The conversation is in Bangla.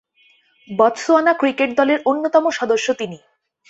বতসোয়ানা ক্রিকেট দলের অন্যতম সদস্য তিনি।